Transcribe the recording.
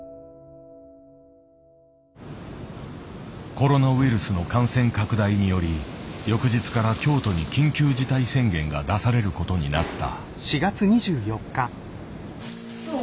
コロナウイルスの感染拡大により翌日から京都に緊急事態宣言が出されることになった。